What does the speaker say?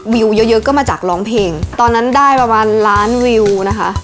วิวเยอะเยอะก็มาจากร้องเพลงตอนนั้นได้ประมาณล้านวิวนะคะ